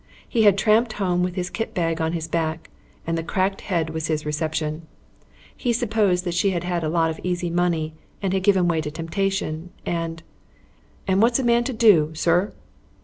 He had tramped home with his kit bag on his back and the cracked head was his reception. He supposed she had had a lot of easy money and had given way to temptation and "And what's a man to do, sir?"